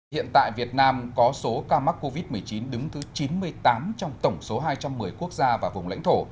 hiện tại việt nam có số ca mắc covid một mươi chín đứng thứ chín mươi tám trong tổng số hai trăm một mươi quốc gia và vùng lãnh thổ